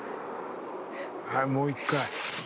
はいもう一回。